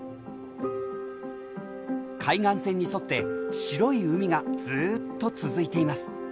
海岸線に沿って白い海がずっと続いています。